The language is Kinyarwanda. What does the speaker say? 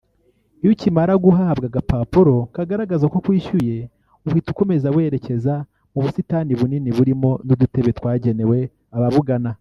Iyo ukimara guhabwa agapapuro kagaragaza ko wishyuye uhita ukomeza werekeza mu busitani bunini burimo n’udutebe twagenewe ababugana